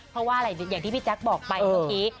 เพราะว่าอะไรอย่างที่พี่แจ๊คบอกไปเมื่อกี้